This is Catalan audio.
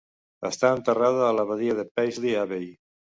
Està enterrada a l'abadia Paisley Abbey.